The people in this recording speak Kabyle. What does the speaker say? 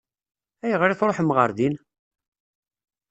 Ayɣer i tṛuḥem ɣer din?